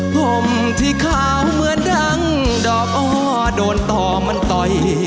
ผมที่ขาวเหมือนดังดอกอ้อโดนต่อมันต่อย